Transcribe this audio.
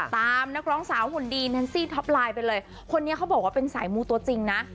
ตามนักร้องสาวหุ่นดีแนนซี่ท็อปไลน์ไปเลยคนนี้เขาบอกว่าเป็นสายมูตัวจริงนะ